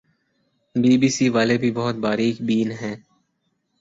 be B C والے بھی بہت باریک بین ہیں